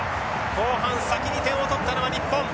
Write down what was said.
後半先に点を取ったのは日本。